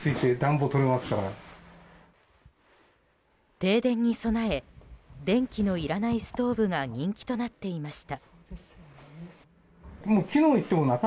停電に備え電気のいらないストーブが人気となっていました。